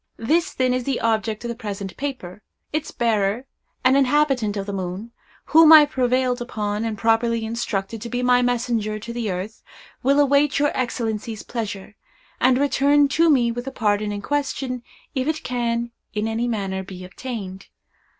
This, then, is the object of the present paper. Its bearer, an inhabitant of the moon, whom I have prevailed upon, and properly instructed, to be my messenger to the earth, will await your Excellencies' pleasure, and return to me with the pardon in question, if it can, in any manner, be obtained.